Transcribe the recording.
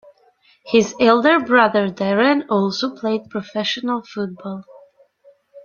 His elder brother Darren also played professional football.